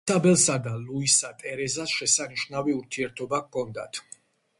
ისაბელსა და ლუისა ტერეზას შესანიშნავი ურთიერთობა ჰქონდათ.